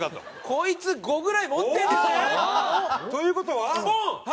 こいつ５ぐらい持ってるんですね！という事は？ポン！